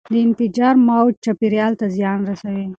د انفجار موج چاپیریال ته زیان رسوي.